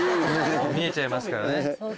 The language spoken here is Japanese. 見えちゃいますからね。